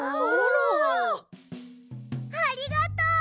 ありがとう。